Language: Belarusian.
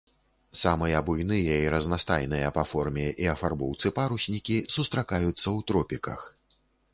Самыя буйныя і разнастайныя па форме і афарбоўцы паруснікі сустракаюцца ў тропіках.